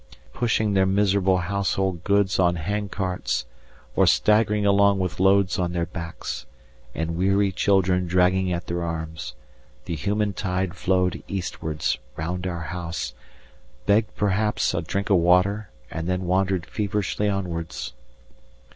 Pushing their miserable household gods on handcarts, or staggering along with loads on their backs, and weary children dragging at their arms, the human tide flowed eastwards, round our house, begged perhaps a drink of water, and then wandered feverishly onwards.